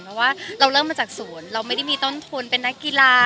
เพราะว่าเราเริ่มมาจากศูนย์เราไม่ได้มีต้นทุนเป็นนักกีฬา